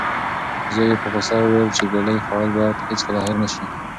زوی یې په غوسه وویل چې ګولۍ خوړل باید هیڅکله هېر نشي.